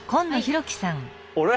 あれ？